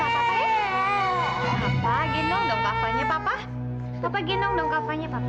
papa gendong dong kak fahnya papa papa gendong dong kak fahnya papa